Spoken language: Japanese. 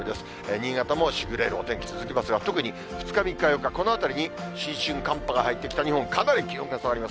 新潟もしぐれるお天気続きますが、特に２日、３日、４日、このあたりに新春寒波が入って北日本、かなり気温が下がります。